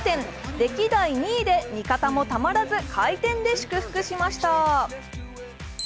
歴代２位で味方もたまらず回転で祝福しました。